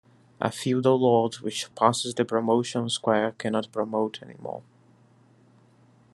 A feudal lord which passes the promotion square cannot promote anymore.